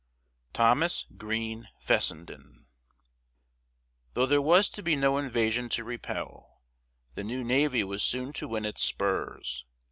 THOMAS GREEN FESSENDEN. Though there was to be no invasion to repel, the new navy was soon to win its spurs.